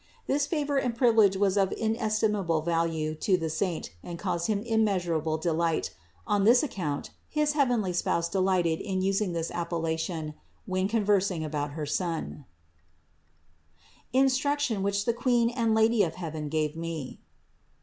This favor and privilege was of in estimable value to the saint and caused him immeasur able delight; on this account his heavenly Spouse de lighted in using this appellation when conversing about her Son. THE INCARNATION 429 INSTRUCTION WHICH THE QUEEN AND LADY OF HEAVEN GAVE ME.